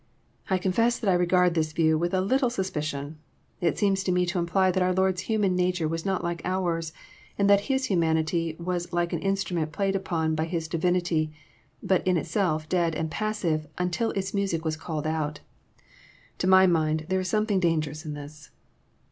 I confess that I regard this view with a little suspicion. It seems to me to imply that our Lord's human nature was not like ours, and that His humanity was like an instrument played upon by His divinity, but in Itself dead and passive until its music was called out. To my mind there is something dangerous in this.